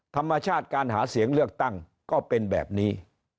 ธรรมชาติการหาเสียงเลือกตั้งก็เป็นแบบนี้